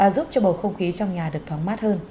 giúp cho bầu không khí trong nhà được thoáng mát hơn